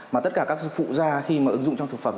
mà tất cả các phụ da khi mà ứng dụng trong thực phẩm